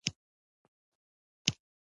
د انګورو باغونه د پښتنو پانګه ده.